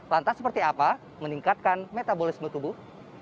lantas seperti apa meningkatkan metabolisme tubuh